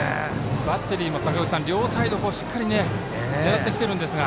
バッテリーも両サイド、しっかり狙ってきているんですが。